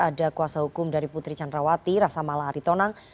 ada kuasa hukum dari putri candrawati rasa mala aritonang